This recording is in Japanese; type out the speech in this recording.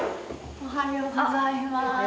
おはようございます。